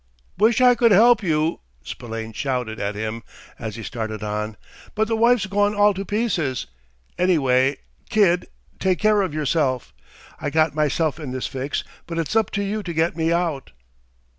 "Wish I could help you," Spillane shouted at him as he started on, "but the wife's gone all to pieces! Anyway, kid, take care of yourself! I got myself in this fix, but it's up to you to get me out!"